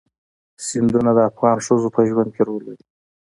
سیندونه د افغان ښځو په ژوند کې رول لري.